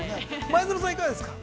前園さん、いかがですか。